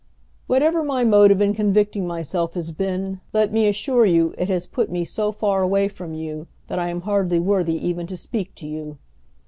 "Whatever my motive in convicting myself has been, let me assure you it has put me so far away from you that I am hardly worthy even to speak to you.